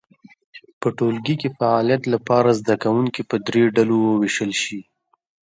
په ټولګي کې فعالیت لپاره زده کوونکي په درې ډلو وویشل شي.